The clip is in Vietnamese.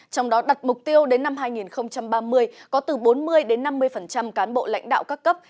trong đó đặt mục tiêu đến năm hai nghìn ba mươi có từ bốn mươi năm mươi cán bộ lãnh đạo các cấp